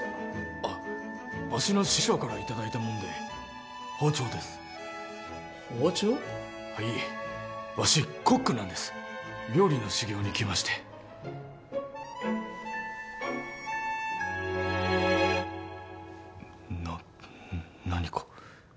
あッわしの師匠からいただいたもんで包丁です包丁？はいわしコックなんです料理の修業に来ましてな何か？